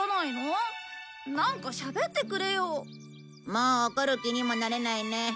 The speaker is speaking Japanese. もう怒る気にもなれないね。